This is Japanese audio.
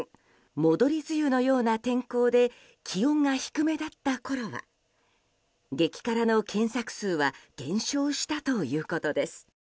戻り梅雨のような天候で気温が低めだったころは激辛の検索数は減少したということです。